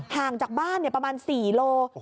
ห่างจากบ้านประมาณ๔โล